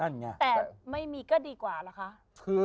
แต่ไม่มีก็ดี